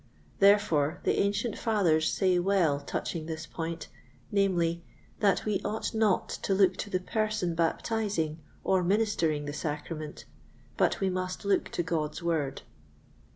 Therefore the ancient Fathers say well touching this point, namely, that we ought not to look to the person baptizing or ministering the Sacrament, but we must look to God's Word.